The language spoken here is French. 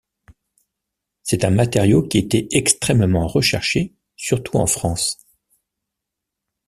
C'est un matériau qui était extrêmement recherché, surtout en France.